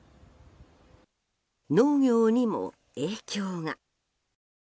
農業にも影響が。